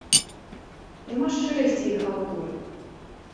Няма шчырасці й халтуры.